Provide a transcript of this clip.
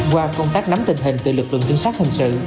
qua công tác nắm tình hình từ lực lượng trinh sát hình sự